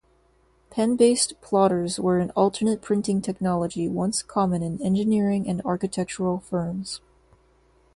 Pen-based plotters were an alternate printing technology once common in engineering and architectural firms.